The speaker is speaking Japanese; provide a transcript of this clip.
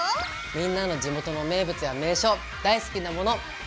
みんなの地元の名物や名所大好きなもの。